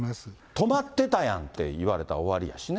止まってたやんって言われたら終わりやしね。